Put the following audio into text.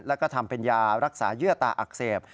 แล้วก็ทำเป็นยารักษาเยื่อตาอักเสบ